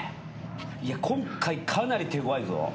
いや今回かなり手ごわいぞ。